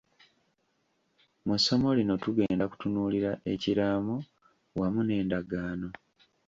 Mu ssomo lino tugenda kutunuulira ekiraamo wamu n'endagaano.